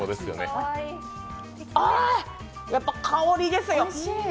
ああ、やっぱり香りですよ。